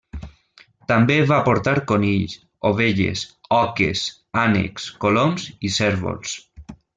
També va portar conills, ovelles, oques, ànecs, coloms i cérvols.